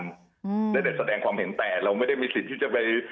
อืมได้แต่แสดงความเห็นแต่เราไม่ได้มีสิทธิ์ที่จะไป